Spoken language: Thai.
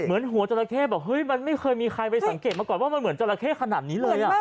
เหมือนหัวจราเข้แบบเฮ้ยมันไม่เคยมีใครไปสังเกตมาก่อนว่ามันเหมือนจราเข้ขนาดนี้เลย